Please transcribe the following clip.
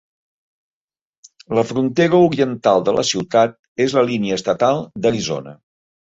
La frontera oriental de la ciutat és la línia estatal d'Arizona.